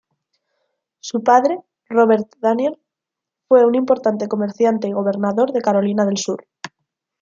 Su padre, Robert Daniell, fue un importante comerciante y gobernador de Carolina del Sur.